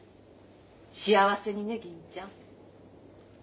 幸せにね銀ちゃん。